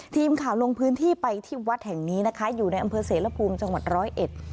ทีมข่าวลงพื้นที่ไปที่วัดแห่งนี้นะคะอยู่ในอำเภอเสรภูมิจังหวัดร้อยเอ็ด